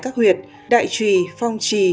các huyệt đại trùy phong trì